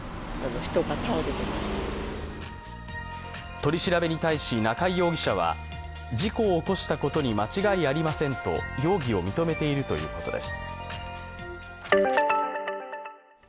取り調べに対し中井容疑者は、事故を起こしたことに間違いありませんと容疑を認めているということです。